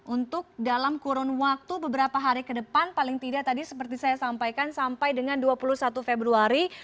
untuk dalam kurun waktu beberapa hari ke depan paling tidak tadi seperti saya sampaikan sampai dengan dua puluh satu februari